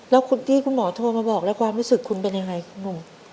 แล้วคุณที่คุณหมอโทรมาบอกแล้วความรู้สึกคุณเป็นยังไงคุณหนุ่ม